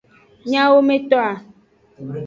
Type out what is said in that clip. Nyawometoa.